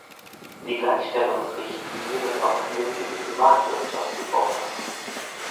Die Gleichstellungsrichtlinie wird auch hier für die Privatwirtschaft gefordert.